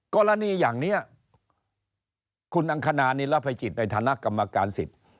กรณีอย่างนี้คุณอังคณานิรภัยจิตในฐานะกรรมการสิทธิ์